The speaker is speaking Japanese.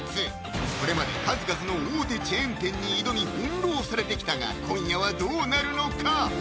これまで数々の大手チェーン店に挑み翻弄されてきたが今夜はどうなるのか？